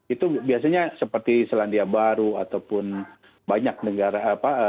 itu biasanya seperti selandia baru ataupun banyak negara apa